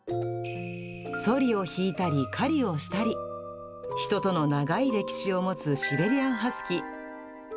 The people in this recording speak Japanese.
そりを引いたり狩りをしたり、人との長い歴史を持つシベリアンハスキー。